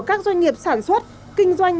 các doanh nghiệp sản xuất kinh doanh